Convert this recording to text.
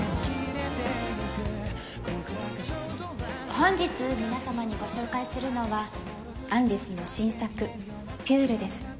本日皆様にご紹介するのはアン・リスの新作ピュールです